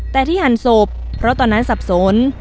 แต่ที่หั่นศพเพราะตอนนั้นสับสน